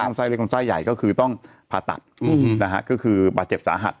เลยความใส้กลัวใส้ใหญ่ก็คือต้องผ่าตัดอืมนะฮะก็คือบาดเจ็บสาหัส